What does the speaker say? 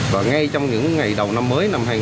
và ngay trong những ngày đầu năm mới năm hai nghìn hai mươi